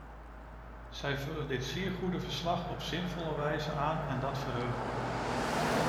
Zij vullen dit zeer goede verslag op zinvolle wijze aan en dat verheugt me.